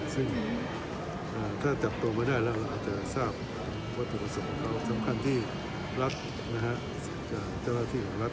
ซึ่งถ้าจับตัวไม่ได้เราก็จะทราบว่าประสุทธิ์ของเค้าคือที่รัฐ